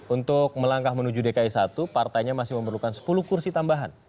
untuk melangkah menuju dki satu partainya masih memerlukan sepuluh kursi tambahan